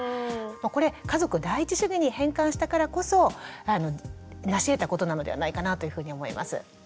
これ家族第一主義に変換したからこそなしえたことなのではないかなというふうに思います。